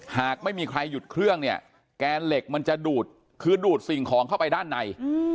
หากไม่มีใครหยุดเครื่องเนี่ยแกนเหล็กมันจะดูดคือดูดสิ่งของเข้าไปด้านใน